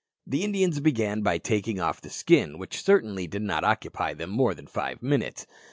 The Indians began by taking off the skin, which certainly did not occupy them more than five minutes.